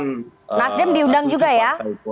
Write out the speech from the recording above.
nasdem diundang juga ya